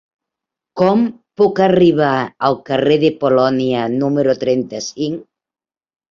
Com puc arribar al carrer de Polònia número trenta-cinc?